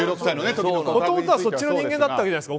もともとはそっちの人間だったわけじゃないですか。